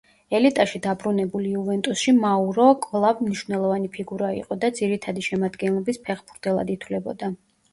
ელიტაში დაბრუნებულ „იუვენტუსში“ მაურო კვლავ მნიშვნელოვანი ფიგურა იყო და ძირითადი შემადგენლობის ფეხბურთელად ითვლებოდა.